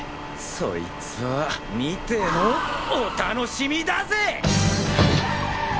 そいつは見てのお楽しみだぜ！